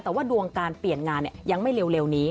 แต่ว่าดวงการเปลี่ยนงานยังไม่เร็วนี้